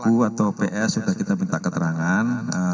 terhadap orang tua pelaku atau ps sudah kita minta keterangan